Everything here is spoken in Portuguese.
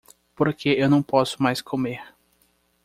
Porque eu não posso mais comer.